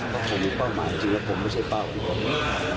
ผมเป้าหมายจริงแต่ผมไม่ใช่เป้าของผม